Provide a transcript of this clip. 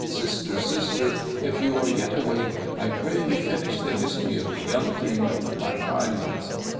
' Sister, sister, if you are yet awake, I pray you finish the history of the Young King of the Black Islands.'